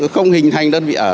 không hình thành đơn vị ở